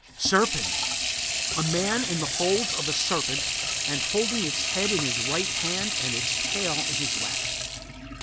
SERPENS. A man in the folds of a serpent and holding its head in his right hand and its tail in his left.